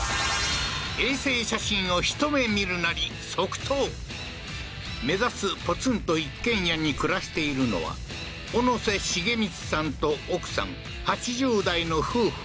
衛星写真を一目見るなり即答目指すポツンと一軒家に暮らしているのはオノセシゲミツさんと奥さん８０代の夫婦